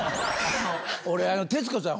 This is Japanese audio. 俺あの徹子さん